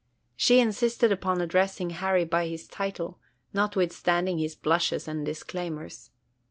She insisted upon addressing Harry by his title, notwithstanding his blushes and disclaimers.